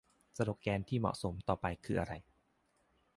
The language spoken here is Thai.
สโลแกนที่เหมาะสมต่อไปคืออะไร ?